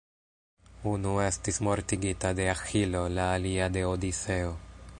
Unu estis mortigita de Aĥilo, la alia de Odiseo.